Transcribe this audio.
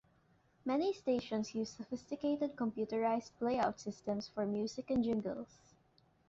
Many stations use sophisticated computerised playout systems for music and jingles.